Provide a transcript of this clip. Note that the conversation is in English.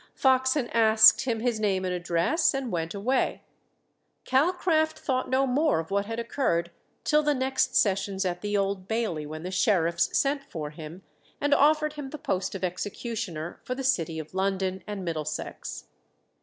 Foxen asked him his name and address, and went away. Calcraft thought no more of what had occurred till the next sessions at the Old Bailey, when the sheriffs sent for him, and offered him the post of executioner for the city of London and Middlesex.